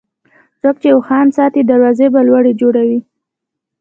څوک چې اوښان ساتي، دروازې به لوړې جوړوي.